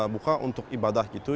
buka untuk ibadah gitu